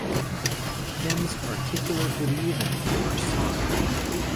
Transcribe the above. Hymns particular to the event are sung.